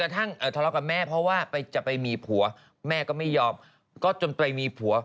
ทะเลาะกับแม่เพราะว่าจะไปมีผัวแม่ก็ไม่ยอมก็จนตัวเองมีผัว